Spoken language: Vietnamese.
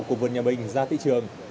của vườn nhà mình ra thị trường